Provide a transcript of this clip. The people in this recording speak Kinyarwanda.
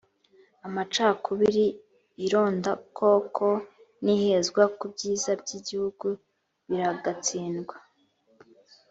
amacakubiri irondakoko n’ihezwa ku byiza by’igihugu biragatsindwa